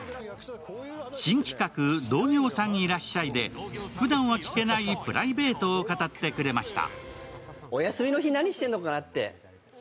新企画「同業さんいらっしゃい」でふだんは聞けないプライベートを語ってくれました。